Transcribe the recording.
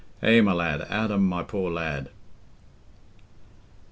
Eh, my lad... Adam, my poor lad!"